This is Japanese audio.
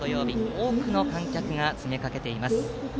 多くの観客が詰め掛けています。